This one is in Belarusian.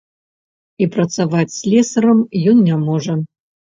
І працаваць слесарам ён не можа.